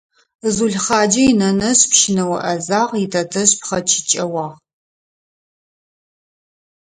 Зулхъаджэ инэнэжъ пщынэо Ӏэзагъ, итэтэжъ пхъэкӀычэуагъ.